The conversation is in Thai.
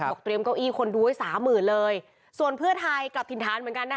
เตรียมเก้าอี้คนดูไว้สามหมื่นเลยส่วนเพื่อไทยกลับถิ่นฐานเหมือนกันนะคะ